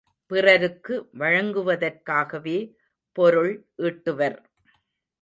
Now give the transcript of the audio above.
பிறருக்கு வழங்குவதற்காகவே பொருள் ஈட்டுவர்.